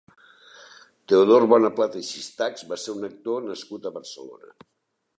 Teodor Bonaplata i Sistachs va ser un actor nascut a Barcelona.